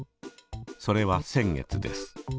それは先月です。